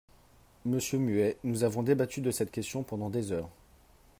Monsieur Muet, nous avons débattu de cette question pendant des heures.